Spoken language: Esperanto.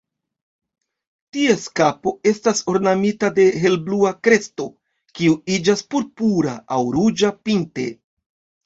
Ties kapo estas ornamita de helblua kresto, kiu iĝas purpura aŭ ruĝa pinte.